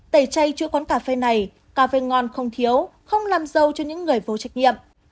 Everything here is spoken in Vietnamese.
tẩy chay chữa quán cà phê này cà phê ngon không thiếu không làm dâu cho những người vô trách nhiệm